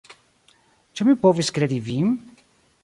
Ĉu mi povis kredi vin?